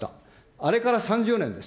あれから３０年です。